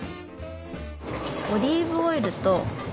オリーブオイルと。